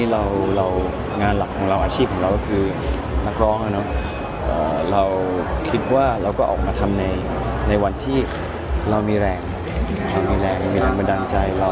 เรารับงานหลักเราอาชีพของเราก็คือนักร้อง